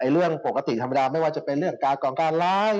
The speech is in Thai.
เรื่องปกติธรรมดาไม่ว่าจะเป็นเรื่องการก่อนการล้าง